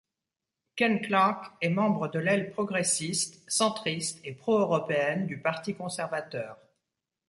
Ken Clarke est membre de l'aile progressiste, centriste et pro-européenne du Parti conservateur.